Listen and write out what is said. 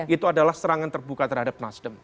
itu adalah serangan terbuka terhadap nasdem